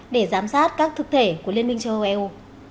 để giám sát các thực thể của liên minh châu âu eu